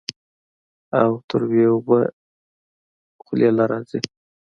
او تروې اوبۀ خلې له راځي